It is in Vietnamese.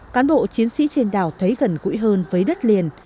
cán bộ chiến sĩ trên đảo thấy gần gũi hơn với đất liền